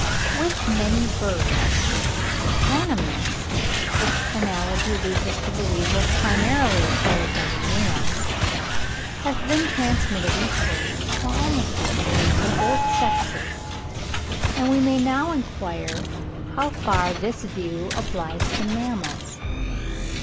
With many birds, ornaments, which analogy leads us to believe were primarily acquired by the males, have been transmitted equally, or almost equally, to both sexes; and we may now enquire how far this view applies to mammals.